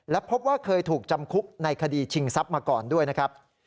และพบว่าเคยถูกจำคุกในคดีชิงทรัพย์มาก่อนด้วยนะครับ